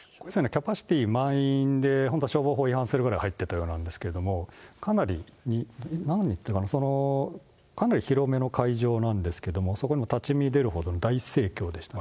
キャパシティー満員で、本当は消防法違反するくらい入ってたようなんですが、かなり広めの会場なんですけども、そこに立ち見出るほどの大盛況でした。